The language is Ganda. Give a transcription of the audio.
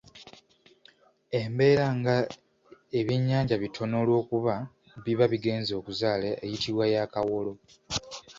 Embeera nga ebyennyanja bitono olw'okuba biba bigenze okuzaala eyitibwa ya Kawolo.